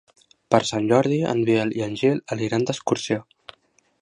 Per Sant Jordi en Biel i en Gil aniran d'excursió.